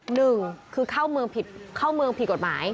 หนึ่งคือเข้าเมืองผิดกฎหมาย